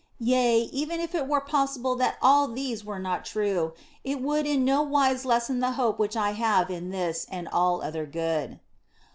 Yea, even if it were possible that all these were not true, it would in no wise lessen the hope which I have in this and all other good.